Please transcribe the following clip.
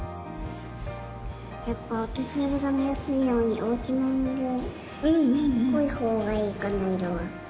やっぱお年寄りが見やすいように大きめに、濃いほうがいいかな、色は。